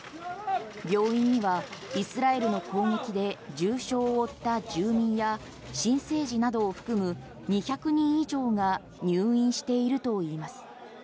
病院には、イスラエルの攻撃で重傷を負った住民や新生児などを含む２００人以上が入院しているといいます。